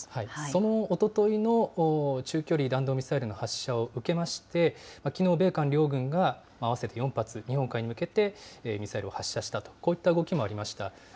そのおとといの中距離弾道ミサイルの発射を受けまして、きのう、米韓両軍が合わせて４発、日本海に向けてミサイルを発射したと、こういった動きもありました。